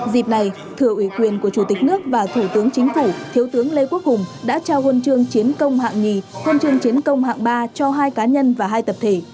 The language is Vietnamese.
dịp này thừa ủy quyền của chủ tịch nước và thủ tướng chính phủ thiếu tướng lê quốc hùng đã trao huân chương chiến công hạng nhì huân chương chiến công hạng ba cho hai cá nhân và hai tập thể